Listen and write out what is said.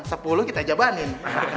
sepuluh kita jabanin